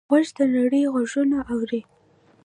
غوږ د نړۍ غږونه اوري.